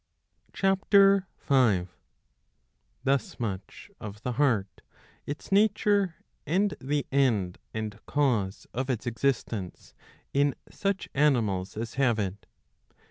(Ch. 5. J Thus much of the heart, its nature, and the end and cause of its existence in such animals as have it.